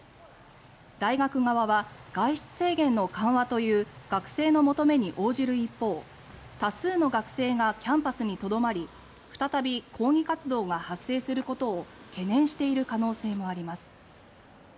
大学側は、外出制限の緩和という学生の求めに応じる一方多数の学生がキャンパスに留まり再び抗議活動が発生することを懸念している可能性もあります。